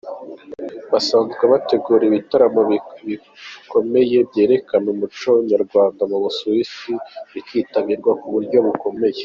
Basanzwe bategura ibitaramo bikomeye byerekana umuco nyarwanda mu Busuwisi bikitabirwa mu buryo bukomeye.